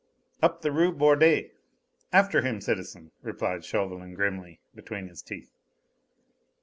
"Up the Rue Bordet. After him, citizen!" replied Chauvelin grimly, between his teeth.